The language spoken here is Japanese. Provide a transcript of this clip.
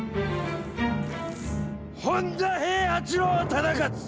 本多平八郎忠勝！